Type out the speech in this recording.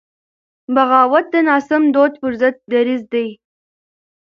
بغاوت د ناسم دود پر ضد دریځ دی.